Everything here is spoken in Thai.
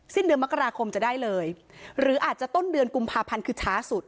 เดือนมกราคมจะได้เลยหรืออาจจะต้นเดือนกุมภาพันธ์คือช้าสุด